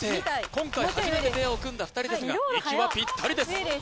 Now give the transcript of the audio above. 今回初めてペアを組んだ２人ですが息はピッタリです